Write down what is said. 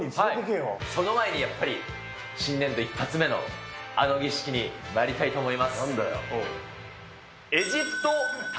その前にやっぱり、新年度１発目の、あの儀式にまいりたいと思います。